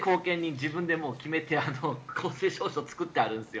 自分でもう決めて公正証書を作ってあるんです。